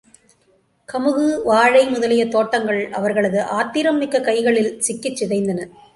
கமுகு, வாழை முதலிய தோட்டங்கள் அவர்களது ஆத்திரம்மிக்க கைகளிற் சிக்கிச் சிதைந்தன.